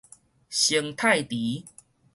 生態池